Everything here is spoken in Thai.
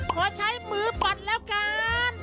ขอใช้มือปั่นแล้วกัน